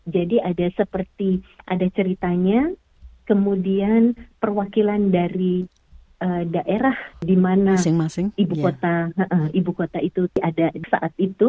jadi ada seperti ada ceritanya kemudian perwakilan dari daerah di mana ibu kota itu ada saat itu